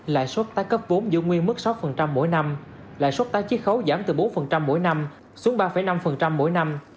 lãi suất tái cấp vốn giữ nguyên mức sáu mỗi năm lãi suất tái chí khấu giảm từ bốn mỗi năm xuống ba năm mỗi năm